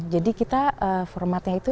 jadi kita formatnya itu